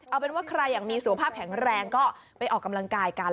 เอาเป็นว่าใครอยากมีสุขภาพแข็งแรงก็ไปออกกำลังกายกัน